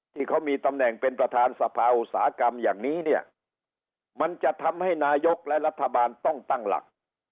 ที่เขามีตำแหน่งเป็นประธานสภาอุตสาหกรรมอย่างนี้เนี่ยมันจะทำให้นายกและรัฐบาลต้องตั้งหลัก